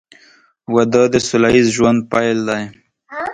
• واده د سوله ییز ژوند پیل دی.